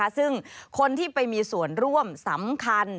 ซึ่งคนที่ไปมีส่วนร่วมสำคัญ